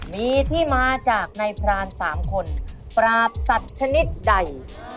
มีที่มาจากในพราน๓คนปราบสัตว์ชนิดใด